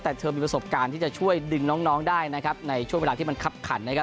แต่เธอมีประสบการณ์ที่จะช่วยดึงน้องได้นะครับในช่วงเวลาที่มันคับขันนะครับ